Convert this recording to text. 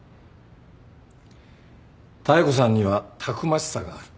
妙子さんにはたくましさがある。